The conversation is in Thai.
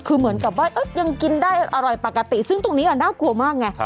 คือเหมือนกับว่ายังกินได้อร่อยปกติซึ่งตรงนี้น่ากลัวมากไง